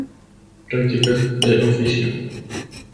Prácticas de oficio.